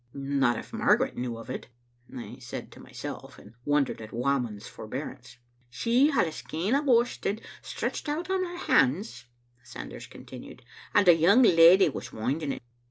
"Not if Margaret knew of it," I said to myself, and wondered at Whamond's forbearance. "She had a skein o' worsted stretched out on her hands," Sanders continued, "and a young leddy was winding it.